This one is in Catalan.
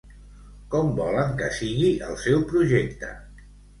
Com volen que sigui el seu projecte?